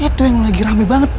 itu yang lagi rame banget